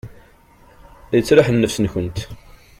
La yettraḥ nnefs-nwent.